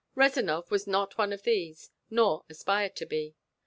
Rezanov was not one of these nor aspired to be.